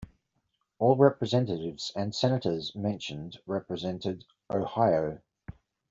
All representatives and senators mentioned represented Ohio.